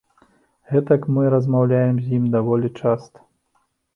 Гэтак мы размаўляем з ім даволі часта.